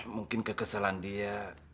mungkin kekeselan dia